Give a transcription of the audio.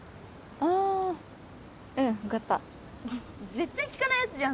ああーうん分かった絶対聞かないやつじゃん